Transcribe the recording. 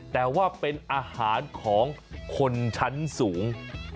แต่ว่าเป็นอาหารของคนชั้นสูง